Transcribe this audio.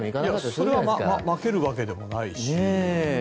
それはまけるわけでもないし。